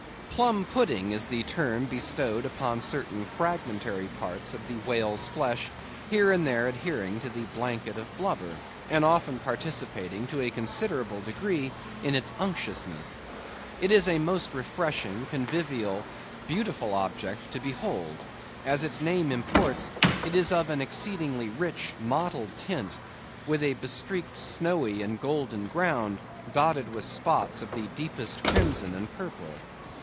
Plum pudding is the term bestowed upon certain fragmentary parts of the whale's flesh, here and there adhering to the blanket of blubber, and often participating to a considerable degree in its unctuousness. It is a most refreshing, convivial, beautiful object to behold. As its name imports, it is of an exceedingly rich, mottled tint, with a bestreaked snowy and golden ground, dotted with spots of the deepest crimson and purple.